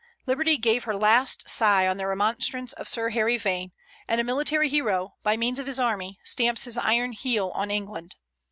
Liberty gave her last sigh on the remonstrance of Sir Harry Vane, and a military hero, by means of his army, stamps his iron heel on England.